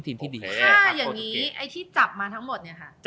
ถ้าทิ้งของเราจับมาทั้งหมด